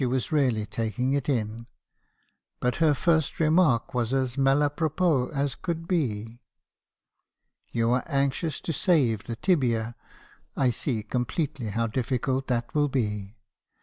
289 was really taking it in ; but her first remark was as mat a propos as could be. "'You are anxious to save the tibia, — I see completely how difficult that will be.